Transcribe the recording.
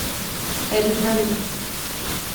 elles veulent.